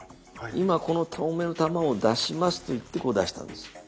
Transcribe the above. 「今この透明の玉を出します」と言ってこう出したんです。